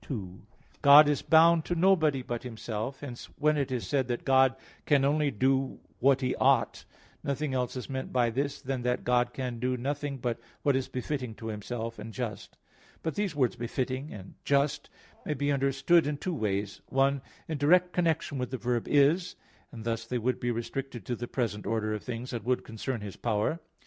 2: God is bound to nobody but Himself. Hence, when it is said that God can only do what He ought, nothing else is meant by this than that God can do nothing but what is befitting to Himself, and just. But these words "befitting" and "just" may be understood in two ways: one, in direct connection with the verb "is"; and thus they would be restricted to the present order of things; and would concern His power.